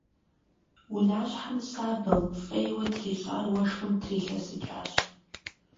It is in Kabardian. Унащхьэм сабэу, фӀейуэ трищӀар уэшхым трилъэсыкӀащ.